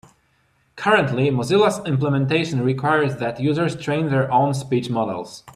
Currently, Mozilla's implementation requires that users train their own speech models.